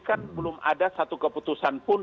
kan belum ada satu keputusan pun